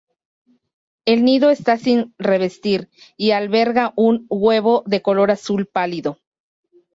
El nido está sin revestir, y alberga un huevo de color azul pálido.